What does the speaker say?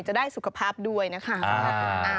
จะได้สุขภาพด้วยนะคะ